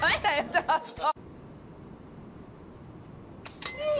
ちょっと！